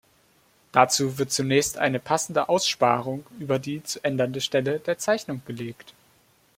Dazu wird zunächst eine passende Aussparung über die zu ändernde Stelle der Zeichnung gelegt.